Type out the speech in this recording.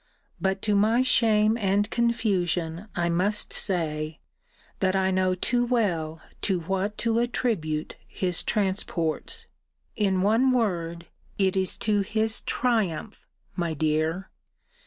But, to my shame and confusion, I must say, that I know too well to what to attribute his transports. In one word, it is to his triumph, my dear.